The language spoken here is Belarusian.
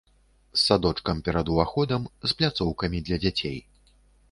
З садочкам перад уваходам, з пляцоўкамі для дзяцей.